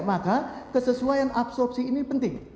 maka kesesuaian absorpsi ini penting